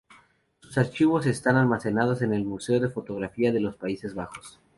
Sus archivos están almacenados en el Museo de Fotografía de los Países Bajos.